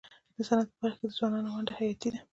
د صنعت په برخه کي د ځوانانو ونډه حیاتي ده.